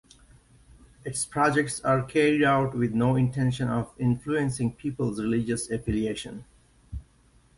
Its projects are carried out with no intention of influencing people's religious affiliation.